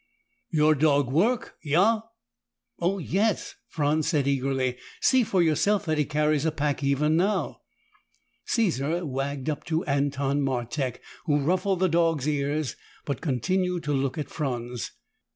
"Your dog work? Yah?" "Oh, yes!" Franz said eagerly. "See for yourself that he carries a pack even now!" Caesar wagged up to Anton Martek, who ruffled the dog's ears but continued to look at Franz.